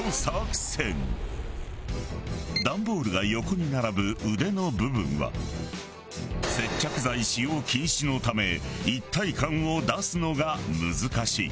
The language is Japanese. ダンボールが横に並ぶ腕の部分は接着剤使用禁止のため一体感を出すのが難しい。